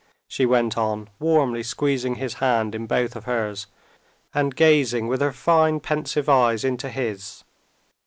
she went on, warmly squeezing his hand in both of hers and gazing with her fine pensive eyes into his.